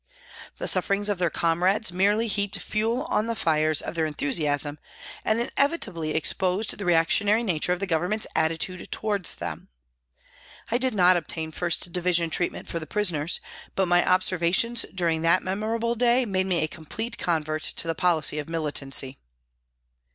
The sufferings of their comrades merely heaped fuel on the fires of their MY CONVERSION 21 enthusiasm and inevitably exposed the reactionary nature of the Government's attitude towards them. I did not obtain 1st Division treatment for the prisoners, but my observations during that memor able day made me a complete convert to the policy of militancy.